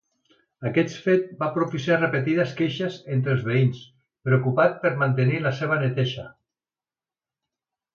Aquest fet va propiciar repetides queixes entre els veïns, preocupats per mantenir la seva neteja.